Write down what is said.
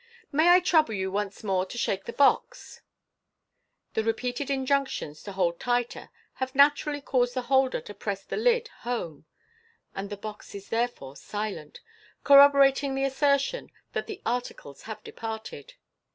" May I trouble you once more to shake the box ?" The repeated injunctions to hold tighter have naturally caused the holder to press the lid home, and the box is therefore silent, corroborating the assertion that the articles have departed.